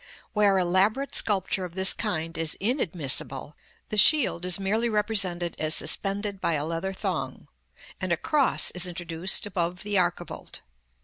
Where elaborate sculpture of this kind is inadmissible, the shield is merely represented as suspended by a leather thong; and a cross is introduced above the archivolt.